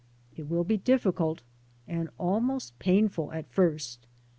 It will be difficult, and almost painful at first.